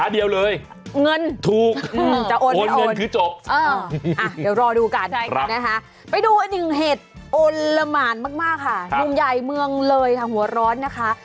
เดี๋ยวรอดูกันนะคะไปดูอีกหนึ่งเหตุอนละหมานมากค่ะหนุ่มใหญ่เมืองเลยค่ะหัวร้อนนะคะ